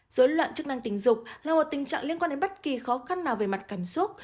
dối loạn chức năng tình dục là một tình trạng liên quan đến bất kỳ khó khăn nào về mặt cảm xúc